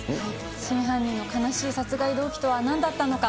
真犯人の悲しい殺害動機とはなんだったのか。